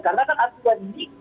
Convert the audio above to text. karena kan artugan ini